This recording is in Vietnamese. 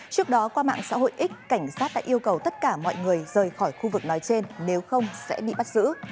trước đó qua mạng xã hội x cảnh sát đã yêu cầu tất cả mọi người rời khỏi khu vực nói trên nếu không sẽ bị bắt giữ